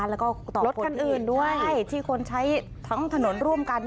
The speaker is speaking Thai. และก็ต่อบทีเพื่อนที่คนใช้ทั้งถนนร่วมกัน